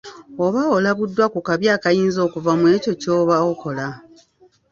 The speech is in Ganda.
Oba olabuddwa ku kabi akayinza okuva mu ekyo ky'oba okola.